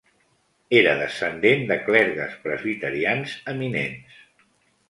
Era descendent de clergues presbiterians eminents.